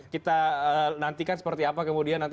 kita nantikan seperti apa kemudian nanti